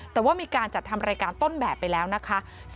แต่ว่ามีการจัดทำรายการต้นแบบไปแล้วนะคะ